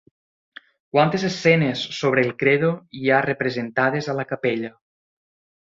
Quantes escenes sobre el credo hi ha representades a la capella?